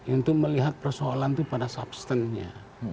untuk melihat persoalan itu pada substansinya